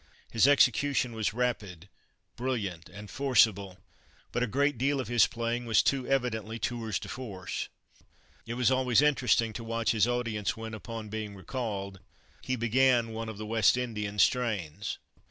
His execution was rapid, brilliant, and forcible, but a great deal of his playing was too evidently tours de force. It was always interesting to watch his audience, when, upon being recalled, he began one of the West Indian strains.